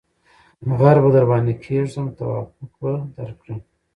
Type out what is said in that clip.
ـ غر به درباندې کېږم توافق به درکړم.